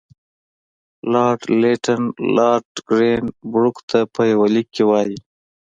لارډ لیټن لارډ ګرین بروک ته په یوه لیک کې وایي.